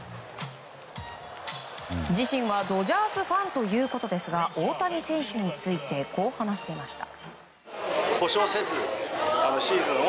自身はドジャースファンということですが大谷選手についてこう話していました。